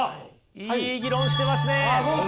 いい議論してますね。